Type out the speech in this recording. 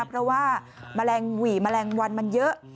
เพราะว่ามะแรงหวี่มะแรงวันมันเยอะ